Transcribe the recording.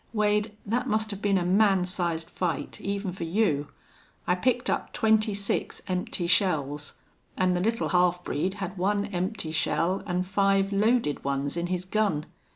Wade, thet must have been a man sized fight, even fer you. I picked up twenty six empty shells. An' the little half breed had one empty shell an' five loaded ones in his gun.